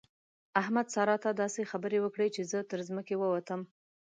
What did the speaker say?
احمد؛ سارا ته داسې خبرې وکړې چې زه تر ځمکه ووتم.